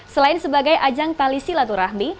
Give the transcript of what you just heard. selain sebagai ajang tali silaturahmi